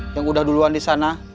yang udah duluan disana